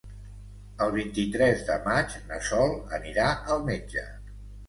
El vint-i-tres de maig na Sol anirà al metge.